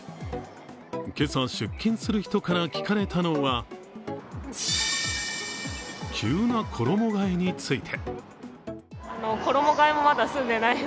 今朝、出勤する人から聞かれたのは急な衣がえについて。